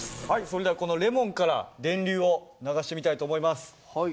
それではこのレモンから電流を流してみたいと思います。